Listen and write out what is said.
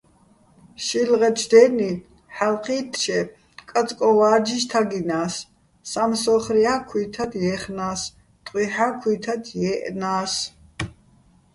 შილღეჩო̆ დე́ნი, ჰ̦ალო̆ ჴი́თთჩე, კაწკოჼ ვა́რჯიშ თაგჲინა́ს, სამსო́ხრია́ ქუჲთად ჲეხნა́ს, ტყუჲჰ̦ა́ ქუჲთადაჸ ჲე́ჸნა́ს.